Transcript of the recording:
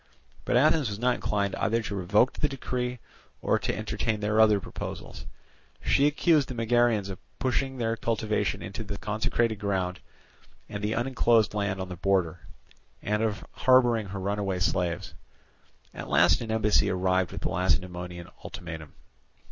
But Athens was not inclined either to revoke the decree, or to entertain their other proposals; she accused the Megarians of pushing their cultivation into the consecrated ground and the unenclosed land on the border, and of harbouring her runaway slaves. At last an embassy arrived with the Lacedaemonian ultimatum.